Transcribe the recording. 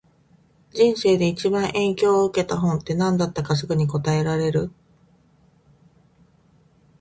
人生で一番影響を受けた本って、何だったかすぐに答えられる？